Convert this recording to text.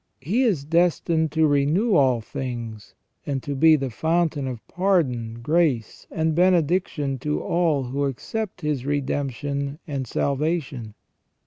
He is destined to renew all things, and to be the fountain of pardon, grace, and benediction to all who accept His redemption and salvation.